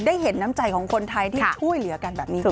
เห็นน้ำใจของคนไทยที่ช่วยเหลือกันแบบนี้